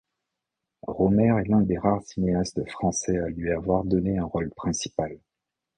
Rohmer est un des rares cinéastes français à lui avoir donné un rôle principal.